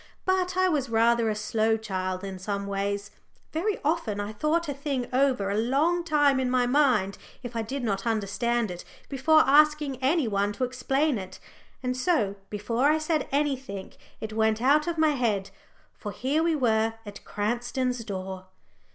But I was rather a slow child in some ways. Very often I thought a thing over a long time in my mind if I did not understand it before asking any one to explain it. And so before I said anything it went out of my head, for here we were at Cranston's door.